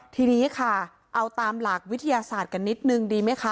ทีนี้ค่ะเอาตามหลักวิทยาศาสตร์กันนิดนึงดีไหมคะ